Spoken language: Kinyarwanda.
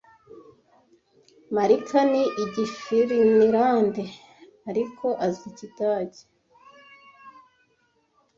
Marika ni Igifinilande, ariko azi Ikidage.